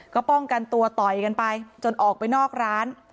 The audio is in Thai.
ก็ป้องกันตัวต่อยกันไปจนออกไปนอกร้าน